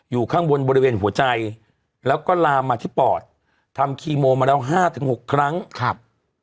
ข้างบนบริเวณหัวใจแล้วก็ลามมาที่ปอดทำคีโมมาแล้วห้าถึงหกครั้งครับ